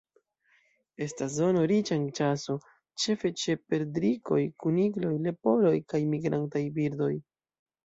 Estas zono riĉa en ĉaso ĉefe ĉe perdrikoj, kunikloj, leporoj kaj migrantaj birdoj.